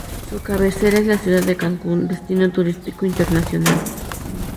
Su cabecera es la ciudad de Cancún, destino turístico internacional.